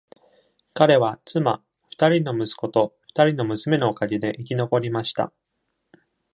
彼は妻、二人の息子と二人の娘のおかげで、生き残りました。